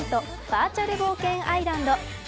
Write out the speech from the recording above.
バーチャル冒険アイランド。